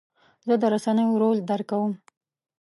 زه د رسنیو رول درک کوم.